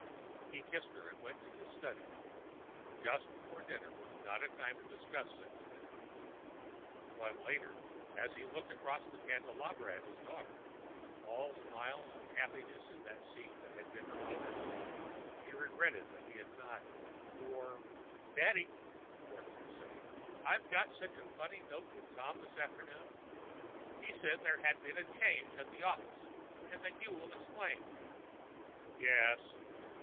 He kissed her and went to his study. Just before dinner was not a time to discuss such things. But later, as he looked across the candelabra at his daughter, all smiles and happiness in that seat that had been her mother's, he regretted that he had not, for—— "Daddy," Dorothy was saying, "I got such a funny note from Tom this afternoon. He says there has been a change at the office and that you will explain." "Yes."